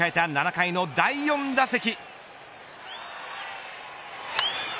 ７回の第４打席。